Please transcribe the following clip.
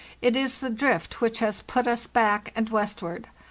It is the drift which has put us back and westward.